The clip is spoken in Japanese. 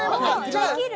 できる？